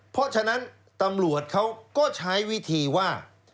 เพราะฉะนั้นตำรวจเขาก็ใช้วิธีว่า